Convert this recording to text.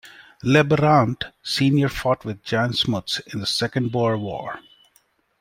Leibbrandt senior fought with Jan Smuts in the Second Boer War.